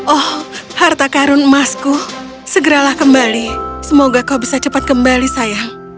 oh harta karun emasku segeralah kembali semoga kau bisa cepat kembali sayang